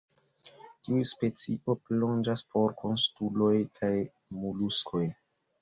Tiu specio plonĝas por krustuloj kaj moluskoj.